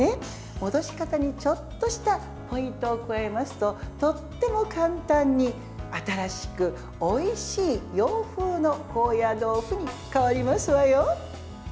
戻し方に、ちょっとしたポイントを加えますととっても簡単に、新しくおいしい洋風の高野豆腐に変わりますわよ。